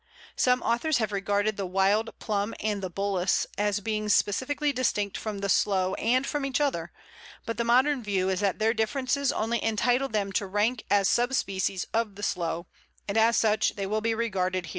Some authors have regarded the Wild Plum and the Bullace as being specifically distinct from the Sloe and from each other; but the modern view is that their differences only entitle them to rank as sub species of the Sloe, and as such they will be regarded here.